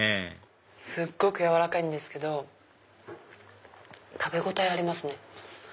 すっごく軟らかいんですけど食べ応えありますね。